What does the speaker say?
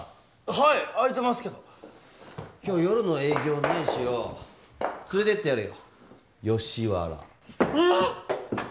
はい空いてますけど今日夜の営業ないしよ連れてってやるよ吉原えッ？